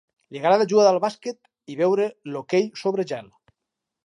Li agrada jugar al basquet i veure l'hoquei sobre gel.